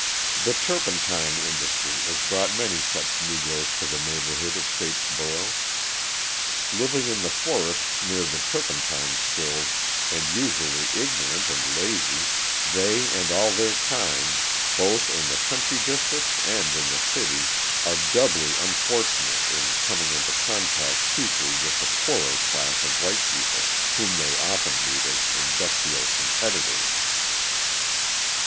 The turpentine industry has brought many such Negroes to the neighbourhood of Statesboro. Living in the forest near the turpentine stills, and usually ignorant and lazy, they and all their kind, both in the country districts and in the city, are doubly unfortunate in coming into contact chiefly with the poorer class of white people, whom they often meet as industrial competitors.